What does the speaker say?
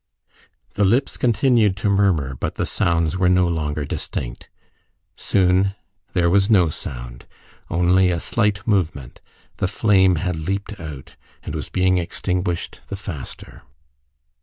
The lips continued to murmur, but the sounds were no longer distinct. Soon there was no sound only a slight movement: the flame had leaped out, and was being extinguished the faster.